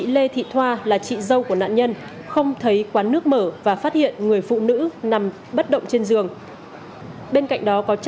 để lấy được lòng tin của nạn nhân